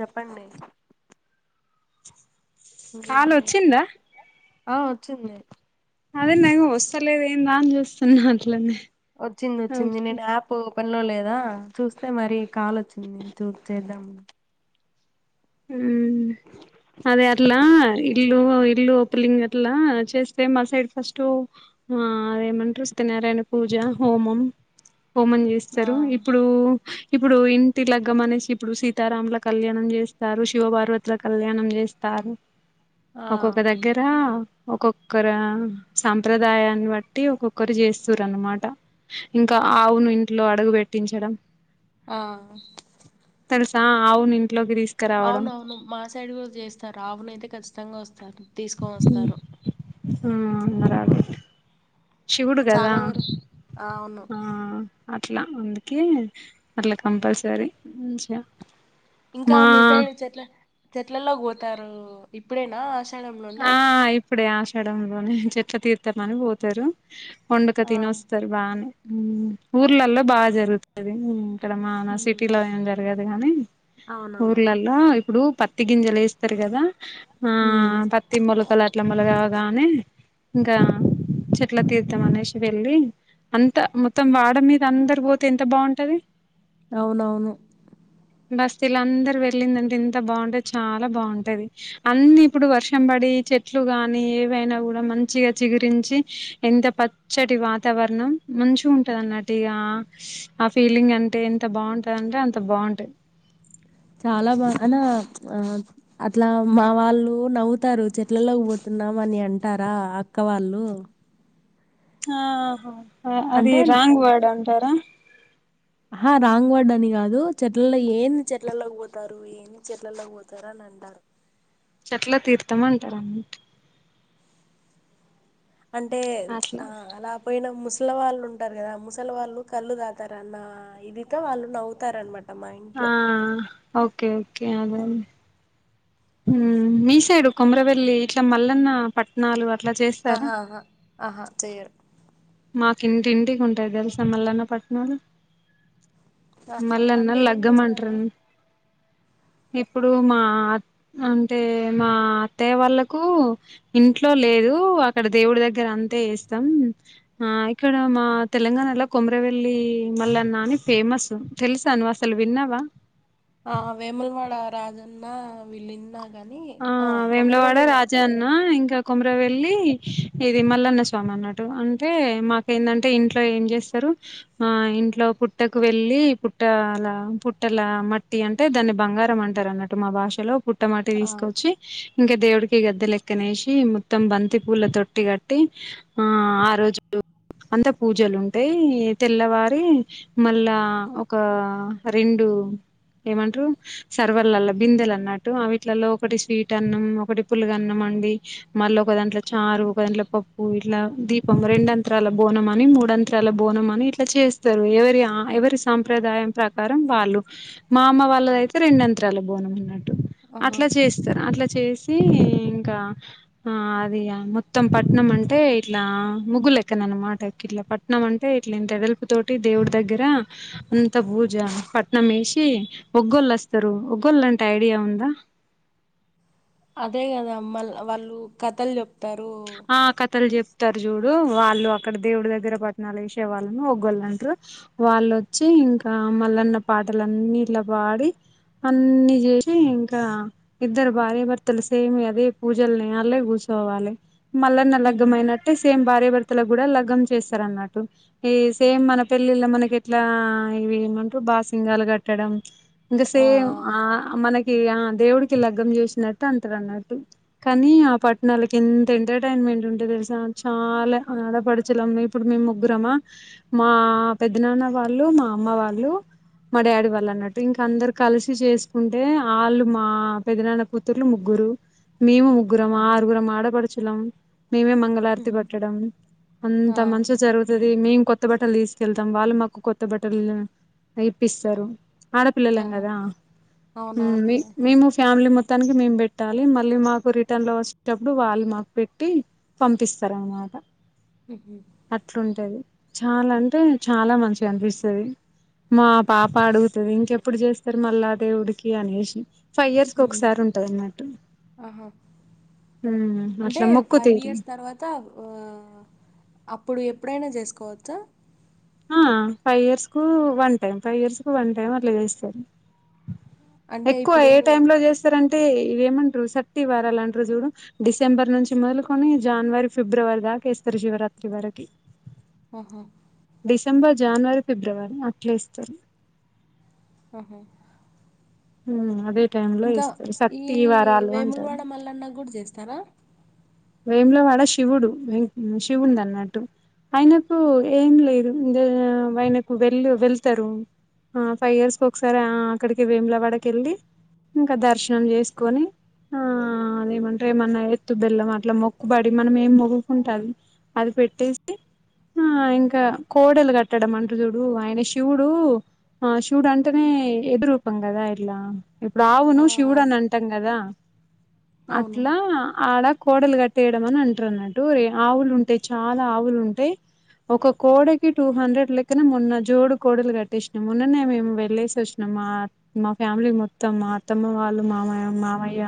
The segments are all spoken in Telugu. చెప్పండి కాల్ వచ్చిందా ఆ వచ్చింది. అదే నేను వస్తాలేదు ఏందా అని చూస్తున్నా అట్లనే వచ్చింది వచ్చింది ఓకే నేను యాప్ వోపన్లో లేదా చూస్తే మరి కాల్ వచ్చింది చూ చేద్దాం హ్మ్ అదే అట్లా ఇల్లు ఇల్లు ఓపలింగ్ అట్లా చేస్ స్తే మా సైడ్ ఫస్ట్ ఆ అదేమంటారు సత్యనారాయణ పూజ, హోమం హోమం ఆ చేస్తారు ఇప్పుడు ఇప్పుడు ఇంటి లగ్గ మనేసి ఇప్పుడు సీతారాముల కళ్యాణం చేస్ స్తారు శివ పార్వతుల కళ్యాణం జేస్తారు ఆ ఒక్కొక్క దగ్గర ఒక్కొక్కర సంప్రదాయాన్ని బట్టి ఒక్కొక్కరు చేస్తరునమాట ఇంకా ఆవును ఇంట్లో అడుగు పెట్టించడం ఆ తెల్సా అవును ఇంట్లోకి తీస్ అవునవును మా సైడ్ కూడా చేస్తారు ఆవునయితే ఖచ్చితంగా వస్తారు తీసుకొని వస్తారు. ఆ అన్నారాలే శివుడు గదా చాలా వరకు అవును ఆ అట్లా అందుకే అట్లా కంపల్సరీ మంచిగా ఇంకా మా మీ సైడ్ చెట్ల చెట్లల్లో పోతారు ఇప్పుడేనా ఆశ ఆ ఇప్పుడే ఆషాడంలోనే చెట్ల తీర్తాలని పోతారు వండుక ఆ తిని వస్తారు బానే అదే ఊర్లలో బాగా జరుగుతది. ఇక్కడ మా సిటీలో ఏం జరగదు కాని అవునవును ఊర్లలో ఇప్పుడు ప పత్తి గింజలు ఏస్తారు కదా ఆ ఉమ్ పత్తి మొలకలు అట్ల మొలగగానే ఇంకా చెట్లా తీర్ధం అనేసి వెళ్ళి అంత మొత్తం వాడ మీద అందరు పోతే ఎంత బాగుంటది అవునవును బస్తీల అందరు వెళ్ళిందంటే ఇంత బాగుంటే చాలా బాగుంటది అన్న ఇప్పుడు వర్ష్ షంబడి చెట్లు గాని ఏవైనా కూడా మంచిగా చిగురించి ఎంత ప చటి వాతావరణం మంచిగా ఉంటదన్నట్టు ఇగా ఆ ఫీలింగ్ అంటే ఎంత బాగుంటదంటే అంత బాగుంట చాలా బాగా అనా ఆ అట్లా మా వాళ్ళు నవ్వుతారు చెట్లలోకి పోతున్నామని అంటారా అక్క వాళ్ళు ఆహా అది అంటే న- రాంగ్వాడ్ అంటారా ఆహ రాంగ్ వడ్ అని కాదు చెట్లల్లో ఏంది చెట్లల్లోకి పోతారు ఏ చెట్లల్లో పోతార అని అంటారు చెట్లా తీర్థమంటారు అన్నమా అంటే అట్లా ఆ అలా పోయిన ముసలి వాళ్ళు ఉంటారు కదా ముసలి వాళ్ళు కళ్ళు దాతారన్న ఇదితో వాళ్ళు నవ్వుతారనమాట ఆ మా ఇంట్లో ఓకే ఓకే ఆ [unintelligible] మీ సైడు కొమురవెల్లి ఇట్లా మల్లన్న పట్ నాలు అట్లా చేస్ ఆహా ఆహా ఆహా చేయరు మాకు ఇంటి ఇంటికి ఉంటాయి తెలుసా మల్లన్న పట్నాలు ఆహా మల్లన్న అంటే ఏం లగ్గమంట్రు చేస్తారు ఇప్పుడు మా అంటే మా అత్తయ్య వాళ్ళకు ఇంట్లో లేదు అక్కడ దేవుడి దగ్గర అంతే ఏస్తాం ఆ ఇక్కడ మా తెలంగాణలో కొమురవెల్లి మల్లన్న అని ఫేమస్ తెలుసా నువ్ అసలు విన్నావా ఆ వేములవాడ రాజన్న వీళ్ళిన్నా గాని ఆ వేములవాడ కొమరవెల్లి వే రాజన్న ఇంకా కొమరవెల్లి ఇది మల్లన్న స్వామి అన్నట్టు అంటే మాక్ ఎందంటే ఇంట్లో ఏం చేస్తారు ఆ ఇంట్లో పుట్టకు వెళ్ళి పుట్టలా పుట్టల మట్టి అంట్ అంటే దాన్ని బంగారం అంటారు అన్నట్టు మా భాషలో పుట్టమాటి ఆ తీసుకొచ్చి ఇంకా దేవుడికి గద్ద లెక్కనేేసి మొత్తం బంతి పూల తొట్టి కట్టి ఆ ఆ రోజు అంత పూజలు ఉంటాయి తెల్లవారి మళ్ళా ఒక రెండు ఏమంటరు సర్వర్లలో బిందెలు అన్నట్టు అవీటిలలో ఒకటి స్వీట్ టన్నం ఒకటి పులుగన్నం అండి మళ్ళ ఒకదాంట్లో చారు ఒకదాంట్ల పప్పు ఇట్లా దీపం రెండంతరాల బోనం అని మూడంత్ త్రాల బోనం అని ఇట్లా చేస్తారు ఎవరి ఆ ఎవరి సాంప్రదాయం ప్రకారం వాళ్ళు మా అమ్మ వాళ్ళదయితే రెండత్రాల బోనం ఉన్నట్టు ఆహా అట్లా చేసి తారు అట్లా చేసి ఇంకా ఆ అది ఆ మొత్తం పట్నం అంటే ఇట్లా ముగ్గులెక్కన అన్నమాట గిట్లా ప ట్నంమంటే ఇట్లా ఇంత ఎడల్పు తోటి దేవుడి దగ్గర అంత బూజ పట్నం వేసి ఒగ్గొళ్ళేస్తారు ఒగ్గొల్ అంటే ఐడియా ఉందా అదే గదా మ్మల్ వాళ్ళు కథలు చెప్తారు ఆ కథలు చెప్తారు చూడు వాళ్ళు అక్కడ దేవుడి దగ్గర పట్నాలు ఏసే వాళ్ళని ఒగ్గోళ్ అంట్రు వాళ్ళొచ్చి ఇంకా మలన్న పాటలన్నీ ఇట్ల పాడి అన్నీ జేసి ఇంకా ఇద్దరు భార్యభర్తలు సేమ్ అదే పూజల్నే అల్ళే కూర్చోవాలే మల్లన్న ఉహు లగ్గమైనట్ ట్టే సేమ్ భార్యభర్తలకు కూడా లగ్గమ్ చేస్తారన్నట్టు ఏ సేమ్ మన పెళ్ళిళ్ళ మనకి ఎట్లా ఇవి ఏమంటరు బాసింగాలు కట్టడం ఇంకా సేమ్ ఆ మనకి ఇగ ఆ దేవుడికి లగ్గమ్ చేసినట్టు అంతరు అన్నట్టు కానీ ఆ పట్నాలకి ఇంత్ ఎంటర్టైన్మెంట్ ఉంటది తెలుసా చాలా ఆడపడుచులం ఇప్పుడు మేము ముగ్గురమా మా పెద్ద నాన్న వాళ్ళు మా అమ్మ వాళ్ళు మా డాడీ వాళ్ళు అన్నట్టు ఇంక అందరు కలిసి చేసుకుంటే ఆళ్ళు మా పెదనాన్న కూర్చ్ తుర్లు ముగ్గురు మేము ముగ్గురం ఆహా ఆరుగురం ఆడపడుచులం మేమే మంగళ హారతి ఉహు పట్టడం ఆ అంత మంచిగ జరుగుతది మేం కొత్ కొత్త బట్టలు తీసుకెళ్తాం వాళ్ళు మాకు కొత్త బట్టలు ఇప్పిస్తారు ఆడపిల్లలం ఆహా కదా ఊమ్ అవునవునులే మేము ఫ్యామిలీ మొత్తం త్తానికి మేము పెట్టాలి మళ్ళీ మాకు రిటర్న్ లో వచ్చేటప్పుడు వాళ్ళు మాకు పెట్టి పంపిస్తారు అనమాట ఊహు అట్లుంటది చాలా అంటే చాలా మంచిగా అనిపిస్తది మా పాప అడుగుతది ఇంకెప్పుడు జేస్తారు మళ్ళా దేవుడికి అనేసి ఫైవ్ ఇయర్స్కి ఉమ్ ఒకసారి ఉంటది అన్నట్టు ఊ అట్ల ఏ ఫైవ్ ఇయర్స్ తర్వాత అప్ అప్పుడు ఎప్పుడైనా చేసుకోవచ్చా ఆ ఫైవ్ ఇయర్స్ కు వన్ టైమ్ ఫైవ్ ఇయర్స్ కు వన్ టైం అట్లా చేస్తారు అంటే ఎక్కువ ఇప్పుడు ఏ టైమ్ లో చేస్తారంటే ఇవేమంటారు సట్టి వారాలంటారు చూడు డిసెంబర్ నుంచి మొదలుకొని జానవరి ఫిబ్రవరి దాకా ఏస్తారు శివరాత్రి వరకి ఆహా డిసెంబర్ జనవరి ఫిబ్రవరి అట్లేస్తరు ఆహా ఉమ్ అదే టైం ఇంకా ఈ వేముల వాడ మల్లన్నా గూడా జేస్తరా వేములవాడ శివుడు శివున్ దన్నట్టు ఆయనకు ఏం లేదు ఆయనకు వెళ్ళ్ వెళ్తరు ఆ ఫైవ్ ఇయర్స్కి ఒకసారి ఆ అక్కడికి వేములవాడకెళ్ళి ఇంకా దర్శనం చేసుకొని ఆ అదేమంటే ఏమన్నా ఎత్తు బెల్లము అట్లా మొక్కుబడి మనం ఏం మొగ్గకుంటే అది అది పెట్టేసి ఆ ఇంకా కోడలు గట్టడం అంటరుజూడు ఆయన శివుడు ఆ శివుడు అంటేనే ఎద్దు రూపం గదా ఇట్లా ఇప్పుడు ఆ ఆ ఆవును శివుడు అని అంటాం గదా అవును అట్లా ఆడ కోడలు గట్టేయడం అని అంటారు అన్నట్టు రే ఆవులు ఉంటయ్ చాలా ఆవులు ఉంటయ్ ఒక కోడకి టూ హండ్రెడ్ లెక్కనే మొన్న జోడు కోడలు కట్టెసినాం మొన్ననే మేము వెళ్లేసి వచ్చి నం మా మా ఫ్యామిలీ మొత్తం మా అత్తమ్మ వాళ్ళు మామయ్య మామయ్య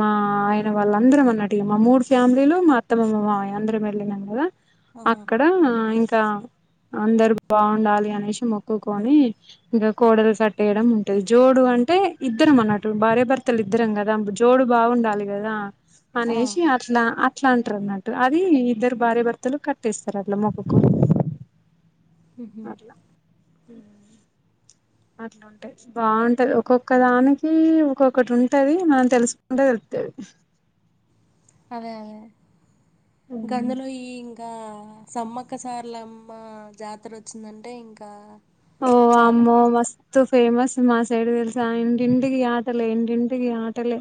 మా ఆయన వాళ్ళు అందరం అన్నట్టు ఇగ మా మూడు ఫ్యామిలీలు మా అత్తమ్మ మా మామయ్య అందరం వెళ్ళినం గదా ఆహా! అక్కడ ఇంకా అందరు బాగుండాలి అనేషి మొక్కుకొని ఇగ కోడల్ సట్టేయడం ఉంటది జోడు అంటే ఇద్దరం అన్నట్టు భార్య భర్తలు ఇద్దరం గదా జోడు బాగుండాలి గదా ఆ అనేషి అట్లా అట్లా అంటారు అన్నట్టు అది ఇద్దరు భార్యభర్తలు కట్టేస్తారు అట్లా మొక్కకొని ఉహు అట్లా అట్లా బాగుంటది ఒక్కొక్క దానికి ఒక్కొక్కటి ఉంటది మనం తెలుసుకుంటే తెలుత్తది అదే అదే గందులో ఈ గా సమ్మక్కసార్లమ్మ జాతర వచ్చిందంటే ఇంకా ఓ చాలా వామ్మో మస్ సో ఫేమస్ మా సైడ్ దెలుసా ఇంటింటికి ఆటలే ఇంటింటికి ఆటలే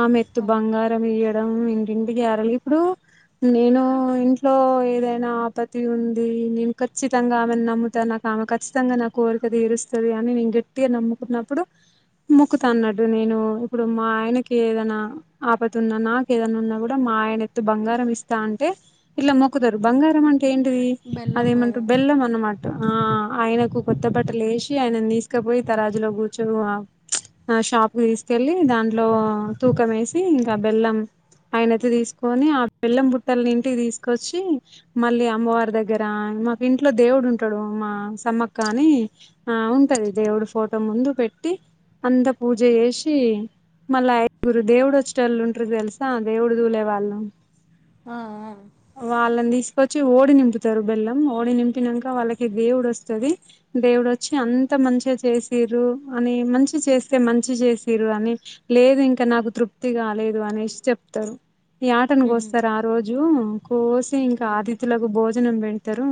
ఆ మెత్తు బంగారం ఇయ్యడం ఇంటింటికి యేరాలి ఇప్పుడు నేను ఇంట్లో ఏదైనా ఆపతి ఉంది నేను ఖచ్చితంగా ఆమెను నమ్ముతా నాకు ఆమె ఖ చ్చితంగా నా కోరిక దీరుస్తది అని నేను గట్టిగా నమ్ముకున్నప్పుడు మొక్కుతా అన్నట్టు నేను ఇప్పుడు మా ఆయనకి ఏదన్నా ఆపత్తు ఉన్న నాకు ఏదన్న ఉన్నా గూడా మా ఆయన ఎత్తు బంగారం ఇస్తా అంటే ఇట్లా మొక్కుతరు బంగారం అంటే ఏంటిది బెల్లం కదా అదేమంటారు బెల్లం అన్నమాట ఆ ఆయనకు కొత్త బట్టలు యేషి ఆయనను దీసుకపోయి తరాజులో గూర్చు ఆ ఆ షాప్కి దీసుకెళ్ళి దాంట్లో తూకం యేసి ఇంకా బెల్లం ఆయన ఎత్తు దీసుకొని ఆ బెల్లం బుట్టల్ని ఇంటికి దీసుకొచ్చి మళ్ళీ అమ్మవారి దగ్గర మాకు ఇంట్లో దేవుడు ఉంటాడు మా తమ్మక్క అని ఆ ఉంటది దేవుడు ఫోటో ముందు పెట్టి అంద పూజ జేషి మళ్ళా ఐదుగురు దేవుడు వచ్చేటోళ్ళు ఉంటరు దెలుసా దేవుడు దూలే వాళ్ళు ఆ ఆ వాళ్ళని దీసుకొచ్చి ఓడి నింపుతారు బెల్లం ఓడి నింపినంక వాళ్ళకి దేవుడు వస్తది దేవుడొచ్చి అంత మంచిగా చేసిర్రు అని మంచి చేస్తే మంచి జేసిర్రు అని లేదు ఇంకా నాకు తృప్తి గాలేదు అనేషి చెప్తరు యాటను ఉహు గోస్తరు ఆ రోజు కోసి ఇంకా ఉమ్ అతిధులకు భోజనం బెడతరు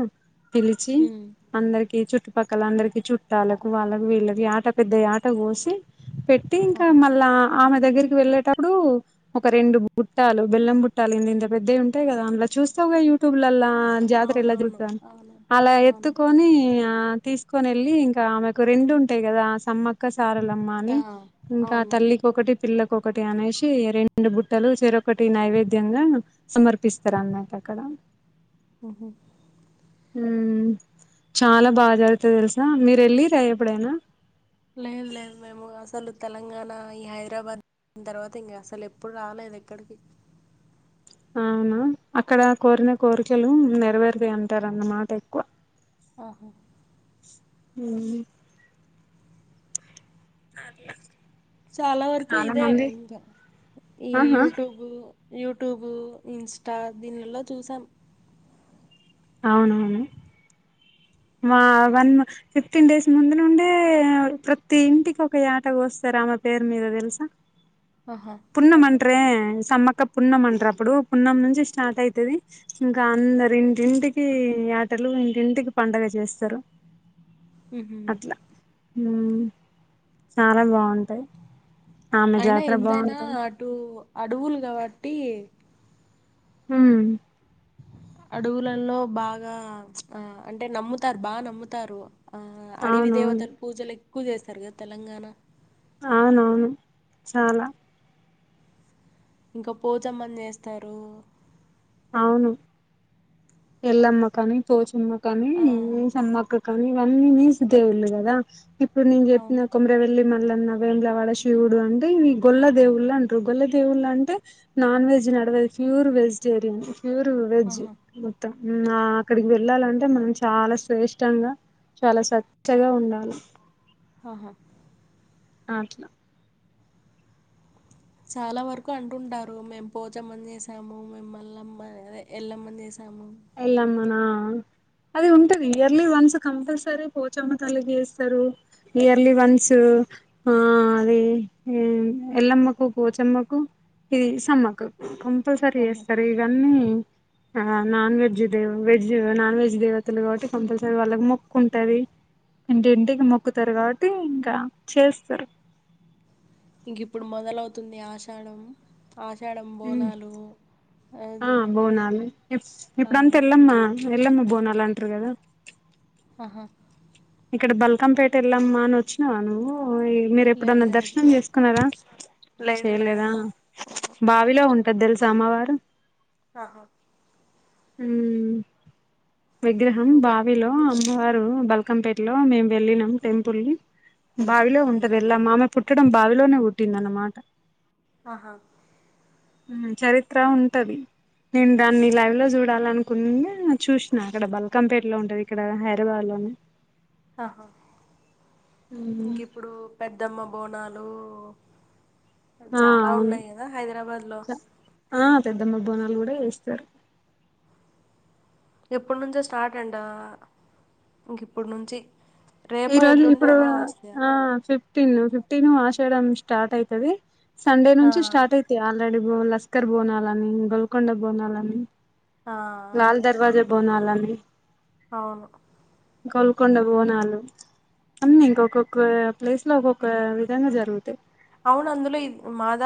పిలిచి ఉమ్ అందరికీ చుట్టుపక్కల అందరికీ చుట్టాలకు వాళ్ళకు వీళ్ళకి యాట పెద్ద యాట కోసి పె టి ఇంకా ఆహా మళ్ళా ఆమె దగ్గరికి వెళ్ళేటప్పుడు ఒక రెండు బుట్టాలు బెల్లం బుట్టాలు ఇంతింత పెద్దవి ఉంటాయి కదా అందులా చూస్తావు యూట్యూబ్ లల్లా జాతర ఎలా అవునవును జరుపుతా అవును అలా ఎత్తు అవును నీ ఆ తీసుకొని ఎళ్ళి ఇంకా ఆమెకు రెండు ఉంటాయి కదా ఆ సమ్మ క్క సారలమ్మ అని ఆ ఇంకా అవును తల్లి ఒకటి పిల్లకొకటి అనేసి రెండు బుట్టలు చెరొకటి నైవేద్యంగా సమర్పిస్తారు అన్నట్టు అక్కడ హూహూ హూమ్ చాలా బా జరుగుతది తెలుసా మీరు ఎళ్ళిర్రా ఎప్పుడైనా ఏం లేదు మేము అసలు తెలంగాణ ఈ హైదరాబాద్ దీని తర్వాత ఇంగ అసలు ఎప్పుడూ రాలేదు ఎక్కడికీ అవునా అక్కడ కోరిన కోరికలు నెరవేరుతాయి అంటారు అన్నమాట ఎక్కువ ఆహా ఊ సర్లే చాలా వరకూ ఇదే ఇంతా ఈ ఆహా యూటూబు యూట్యూబు ఇన్స్టా దీనిల్లో చూసాం అవునవును మా వన్ ఫిఫ్టీన్ డేస్ ముందు నుండే ప్రతి ఇంటికి ఒక యాట కోస్తారు ఆమె పేరు మీద తెలుసా ఆహా పున్నం అంటరే సమ్మక్క పున్నం అంటారు అప్పుడు పున్నం నుంచి స్టార్ట్ అయితది ఇంకా అందరూ ఇంటింటికి యాటలు ఇంటింటికి పండగ చేస్తారు ఉహు అట్లా ఊ చాలా బావుంటాయి అయినా ఎంతైనా టూ అడువులు కాబట్టి హూమ్ అడువులల్లో బాగా ఆ అంటే నమ్ముతారు బా నమ్ముతారు ఆ అడివి అవునవును దేవతలు పూజలు ఎక్కువ చేస్తారు గా తెలంగాణ అవునవును చాలా ఇంకా పోచమ్మని చేస్తారు అవును ఎల్లమ్మ కానీ పోచమ్మ కానీ ఆం అమ్మక్క కానీ ఇవన్నీ నీసు దేవుళ్ళు కదా ఇప్పుడు నేను అవును చెప్పిన కొమ్మి రవెల్లి మల్లన్న వేములవాడ శివుడు అంటే ఇవి గొల్ల దేవుళ్ళు అంట్రు గొల్ల దేవుళ్ళు అంటే నాన్ వెెజ్ నడవదు ఫ్యూర్ వెజిటేరియన్ ఫ్యూర్ వెజ్ ఆహా మొత్తం ఉమ్ ఆ అక్కడికి వెళ్ళాలంటే మనం చాలా శ్రేష్టంగా చాలా సచ్చగా ఉండాలి హాహా ఆట్లా చాలా వరకూ అంటుంటారు మేం పోచమ్మని చేసాము మేం ఎల్లమ్మ అదే ఎల్లమ్మని చేసాము ఎల్లమ్మ నా ఔ అది ఉంటది ఇయర్లీ వన్స్ కంపల్సరీ పోచమ్మ తల్లి చేస్తరు ఇయర్లీ వన్సు ఆ అది ఎల్ల అమ్మకు పోచఅమ్మకు ఇది స అమ్మ అక్కకు కంపల్సరీ ఎస్ ఆహా స్తార్ ఇవ అన్నీ నాన్ వెజ్ దే వెజ్ నాన్ వెజ్ దేవతలు కాబట్టి కంపల్సరీ వాళ్ళకి మొక్కు ఉంట అది ఇంటి ఇంటికి మొక్కుతారు కాబట్టి ఇంకా చేస్తారు ఇంక ఇప్పుడు మొదలవుతుంది ఆషాఢం ఆషాఢం బోనాలు ఆ అదే ఈ బోనలు ఆ ఇప్పుడు అంతా వెళ్ళ అమ్మా వెళ్ళమ్మా బోనాలు అంట్రు కదా ఆహా ఇక్కడ బల్కంపేట వెళ్ళ అమ్మా అని వచ్చినావా నువ్వు ఓ మీరు ఎప్పుడ లేదు అన్నా లేదు దర్శనం చేసుకున్నారా లేదు చేయలేదా లేదు బావిలో ఉంట అది తెలుస అమ్మవారు ఆహా విగ్రహం ఇంకా బావిలో అమ్మవారు బల్ క్కంపేటలో మేము వెళ్ళినం టెంపుల్ బావిలో ఉంట అది ఎళ్లా అమ్మ పుట్టడం బావిలోనే పుట్టింది అన్నమాట ఆహా చరిత్ర ఉంట అది నేను దాన్ని లైవ్ లో చూడ్ డాల అనుకున్న చూసినా అక్కడ బల్కంపేటలో ఉంటది ఇక్కడ హైదరాబాద్ లోని ఆహా ఇంక ఇప్పుడు పెద్ద అమ్మ బోనాలు ఆ చాలా అవును ఉన్నాయి కదా హైదరాబాద్ లో ఆ పెద్ద అమ్మ బోనాలు కూడా చేస్తారు ఎప్పుడు నుంచో స్టార్ట్ అంట ఇంక ఇప్పుడు నుంచి ఈ రేపో రోజులు ఎల్లుండి ఇప్పుడు అమావాస్య ఆ చేప్ ఫ్టీన్ ఫిఫ్టీన్ ఆషాడం స్టార్ట్ అయిత అది సండే ఆ నుంచి స్టార్ట్ అయిత్ ఆల్రెడీ బో లస్కర్ బోనాల అని గోల్కొండ బోనాలని ఆ ఆ లాల్ దర్వాజా బోనాల్ అని అవును కొల్కొండ బోనాలు అన్ని ఇంక ఒక్కొఒక్క ప్లేస్ లో ఒక్కొ ఒక్క విధంగా జరుగుతాయి అవును అందులో మాదా